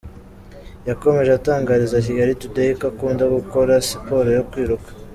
yakomeje atangariza Kigali Today ko akunda gukora siporo yo kwiruka.